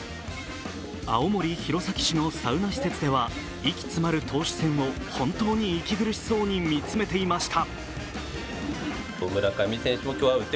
青森・弘前市のサウナ施設では息詰まる投手戦を本当に息苦しそうに見つめていました。